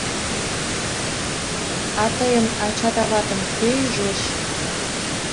— А тыйын ачат-аватым кӧ ӱжеш?